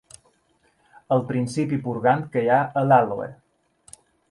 El principi purgant que hi ha a l'àloe.